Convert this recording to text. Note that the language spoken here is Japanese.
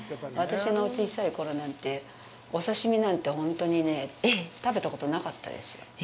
私の小さいころなんて、お刺身なんて本当にね、食べたことなかったですよ。